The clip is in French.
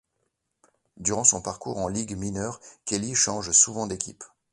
Durant son parcours en ligues mineures, Kelly change souvent d'équipe.